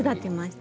「た」